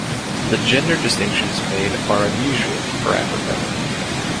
The gender distinctions made are unusual for Africa.